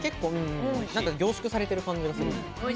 凝縮されている感じがする。